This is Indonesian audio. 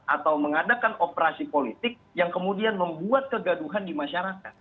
atau mengadakan operasi politik yang kemudian membuat kegaduhan di masyarakat